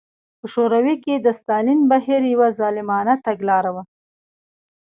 په شوروي کې د ستالین بهیر یوه ظالمانه تګلاره وه.